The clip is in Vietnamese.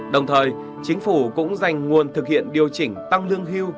đồng thời chính phủ cũng dành nguồn thực hiện điều chỉnh tăng lương hưu